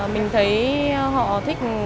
mình thấy họ thích